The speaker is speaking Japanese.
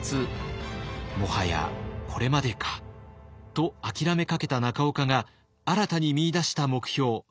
「もはやこれまでか」と諦めかけた中岡が新たに見いだした目標。